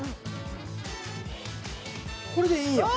これでいいやん。